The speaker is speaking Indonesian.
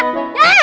oh di tempat